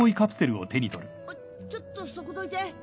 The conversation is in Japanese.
おっちょっとそこどいて。